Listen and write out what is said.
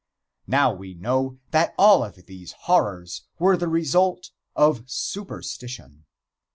Now we know that all of these horrors were the result of superstition.